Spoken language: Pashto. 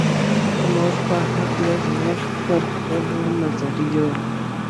زموږ په هکله زموږ تر خپلو نظریو.